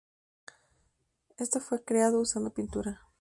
Esto fue creado usando pintura.